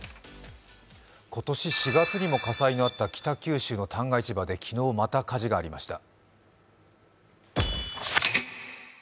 今年４月にも火災があった北九州の旦過市場で昨日また火事がありました。